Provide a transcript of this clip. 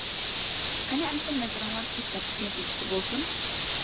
قېنى ئەمسە نەزىرىڭلار چەك تارتىش نەتىجىسىدە بولسۇن!